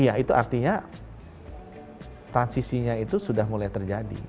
iya itu artinya transisinya itu sudah mulai terjadi